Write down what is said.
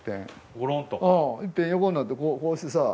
いっぺん横になってこうしてさ。